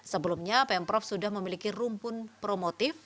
sebelumnya pemprov sudah memiliki rumpun promotif